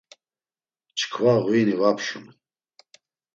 Çkva ğvini va pşum.